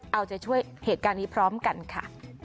เอาใจช่วยเหตุการณ์นี้พร้อมกันค่ะ